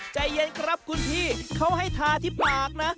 ใจเย็นครับคุณพี่เขาให้ทาที่ปากนะ